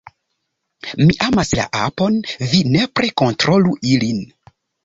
Mi amas la apon, vi nepre kontrolu ilin